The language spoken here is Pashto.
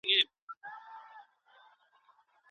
يو منځګړی دي د ميرمني له کورنۍ څخه وي.